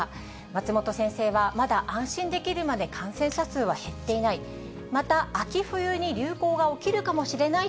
松本先生は、まだ安心できるまで感染者数は減っていない。